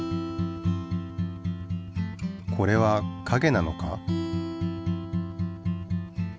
これはかげなのか？